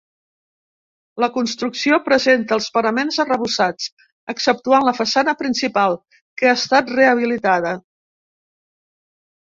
La construcció presenta els paraments arrebossats exceptuant la façana principal, que ha estat rehabilitada.